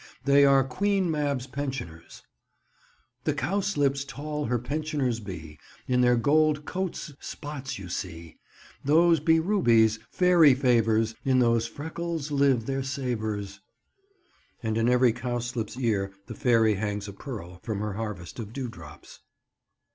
They are Queen Mab's pensioners— "The cowslips tall her pensioners be; In their gold coats spots you see; Those be rubies, fairy favours, In those freckles live their savours." And in every cowslip's ear the fairy hangs a pearl, from her harvest of dew drops.